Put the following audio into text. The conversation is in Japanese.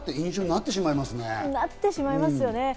なってしまいますよね。